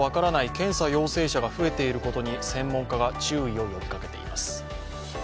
検査陽性者が増えていることに専門家が注意を呼びかけています。